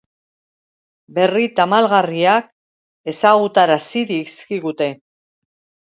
Berri tamalgarriak ezagutarazi dizkigute.